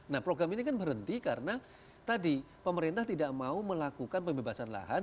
nah program ini kan berhenti karena tadi pemerintah tidak mau melakukan pembebasan lahan